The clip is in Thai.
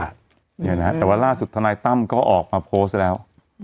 แต่ว่าล่าสุดทนายต่ำเขาออกมาโพสต์แล้ว